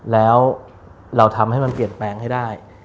แล้วเราทำให้มันเปลี่ยนแปลงให้ได้